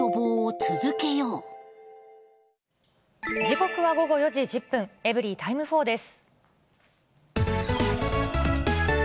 時刻は午後４時１０分、エブリィタイム４です。